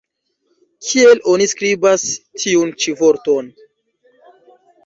Kiel oni skribas tiun ĉi vorton?